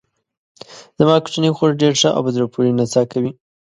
زما کوچنۍ خور ډېره ښه او په زړه پورې نڅا کوي.